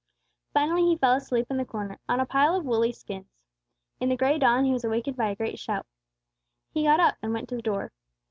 Finally he fell asleep in the corner, on a pile of woolly skins. In the gray dawn he was awakened by a great shout. He got up, and went to the door.